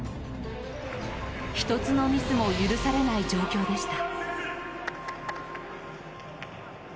１つのミスも許されない状況でした。